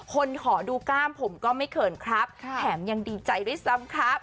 ขอดูกล้ามผมก็ไม่เขินครับแถมยังดีใจด้วยซ้ำครับ